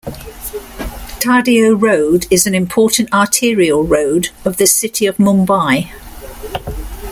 Tardeo Road is an important arterial road of the city of Mumbai.